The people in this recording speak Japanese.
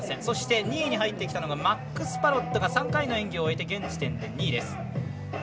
そして、２位に入ってきたのがマックス・パロットが３回の演技を終えて現時点で２位です。